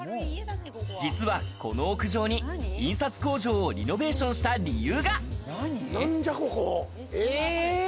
実は、この屋上に印刷工場をリノベーションした理由が。